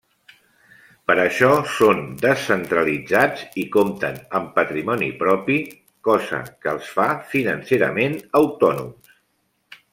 Per això, són descentralitzats i compten amb patrimoni propi, cosa que els fa financerament autònoms.